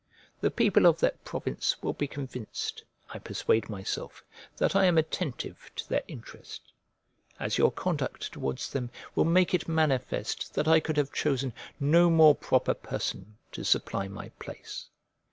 The people of that province will be convinced, I persuade myself, that I am attentive to their interest: as your conduct towards them will make it manifest that I could have chosen no more proper person to supply my place.